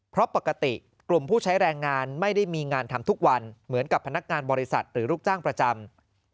เพราะปกติกลุ่มผู้ใช้แรงงานไม่ได้มีงานทำทุกวันเหมือนกับพนักงานบริษัทหรือลูกจ้างประจำ